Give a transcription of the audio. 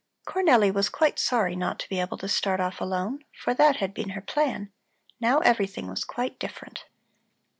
Cornelli was quite sorry not to be able to start off alone, for that had been her plan. Now everything was quite different.